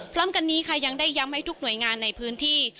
พร้อมกันนี้ค่ะยังได้ย้ำให้ทุกหน่วยงานในพื้นที่